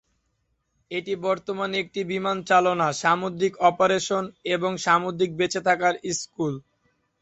এটি বর্তমানে একটি বিমান চালনা, সামুদ্রিক অপারেশন এবং সামুদ্রিক বেঁচে থাকার স্কুল।